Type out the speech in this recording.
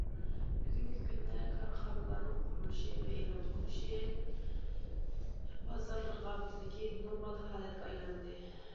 بۈگۈنكى كۈندە، كارخانىلارنىڭ قۇرۇلۇشى ۋە ۋەيران بولۇشى بازار رىقابىتىدىكى نورمال ھالەتكە ئايلاندى.